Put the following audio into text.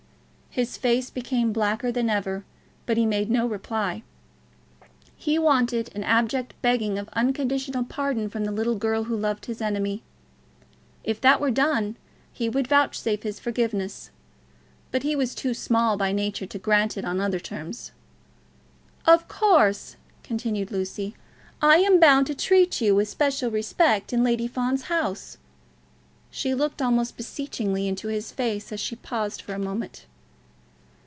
His face became blacker than ever, but he made no reply. He wanted an abject begging of unconditional pardon from the little girl who loved his enemy. If that were done, he would vouchsafe his forgiveness; but he was too small by nature to grant it on other terms. "Of course," continued Lucy, "I am bound to treat you with special respect in Lady Fawn's house." She looked almost beseechingly into his face as she paused for a moment.